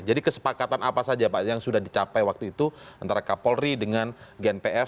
jadi kesepakatan apa saja pak yang sudah dicapai waktu itu antara kapolri dengan gnpf